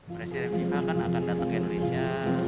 presiden viva akan datang ke indonesia